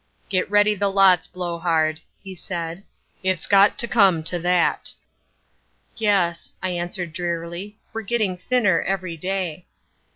"Get ready the lots, Blowhard," he said. "It's got to come to that." "Yes," I answered drearily, "we're getting thinner every day."